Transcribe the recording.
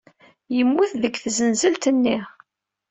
Yemmut deg tzenzelt-nni.